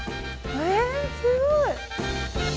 えすごい！